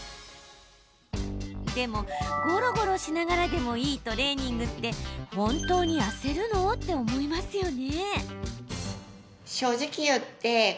でもゴロゴロしながらでもいいトレーニングって本当に痩せるの？って思いますよね。